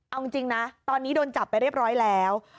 เอาจริงนะตอนนี้โดนจับไปเรียบร้อยแล้ว